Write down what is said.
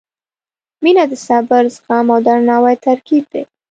• مینه د صبر، زغم او درناوي ترکیب دی.